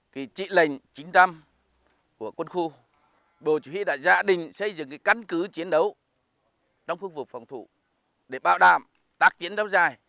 giai đoạn bốn bộ chủ yếu đại gia đình xây dựng căn cứ chiến đấu trong phương phục phòng thủ để bảo đảm tác chiến đấu dài